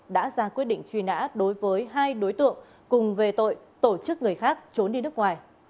đã ra quyết định truy nã đối với hai đối tượng cùng về tội tổ chức người khác trốn đi nước ngoài